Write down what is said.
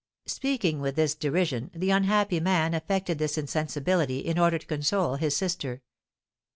Speaking with this derision, the unhappy man affected this insensibility, in order to console his sister.